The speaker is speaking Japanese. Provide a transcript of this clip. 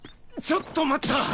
ちょっと待った！